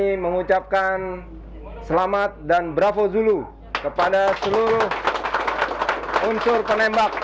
kami mengucapkan selamat dan bravo zulu kepada seluruh unsur penembak